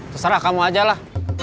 terserah kamu aja lah